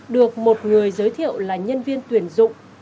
được một người giới thiệu là nhân viên tuyển dụng